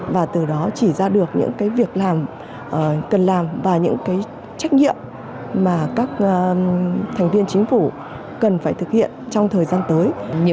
và từ đó chỉ ra được những việc làm cần làm và những trách nhiệm mà các thành viên chính phủ cần phải thực hiện trong thời gian tới